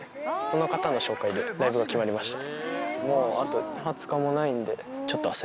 その方の紹介でライブが決まりました。